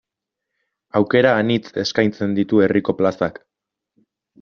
Aukera anitz eskaintzen ditu herriko plazak.